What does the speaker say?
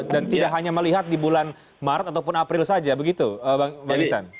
dan tidak hanya melihat di bulan maret ataupun april saja begitu bang isan